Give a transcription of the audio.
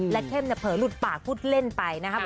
และเข้มเนี่ยเผลอหลุดปากพูดเล่นไปนะครับ